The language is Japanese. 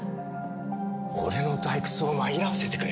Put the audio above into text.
俺の退屈を紛らわせてくれ。